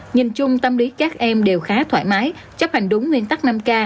nhìn chung tâm lý các em đều khá thoải mái chấp hành đúng nguyên tắc năm k